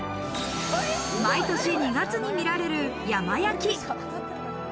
毎年２月に見られる山焼き。